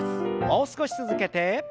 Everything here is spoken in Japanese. もう少し続けて。